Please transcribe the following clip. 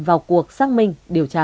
vào cuộc xác minh điều tra